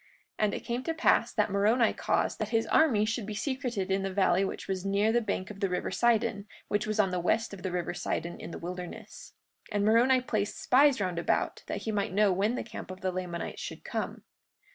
43:27 And it came to pass that Moroni caused that his army should be secreted in the valley which was near the bank of the river Sidon, which was on the west of the river Sidon in the wilderness. 43:28 And Moroni placed spies round about, that he might know when the camp of the Lamanites should come.